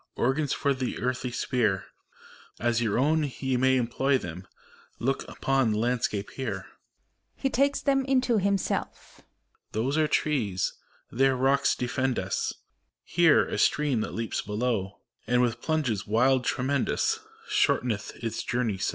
Organs for the earthly sphere I As your own ye may employ them : Look upon the landscape here! (He takes them into himself.) Those are trees, there rocks defend us; 252 FAUST. Here, a stream that leaps below, And with plunges, wild, tremendous, Shorteneth its journey so.